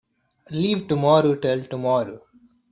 Leave tomorrow till tomorrow.